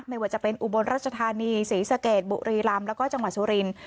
ไม่ว่าจะเป็นอุบลรัชธานีศรีสะเกดบุรีลำแล้วก็จังหวัดสุรินทร์